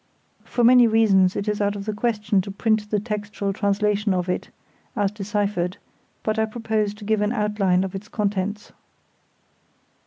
For many reasons it is out of the question to print the textual translation of it, as deciphered; but I propose to give an outline of its contents.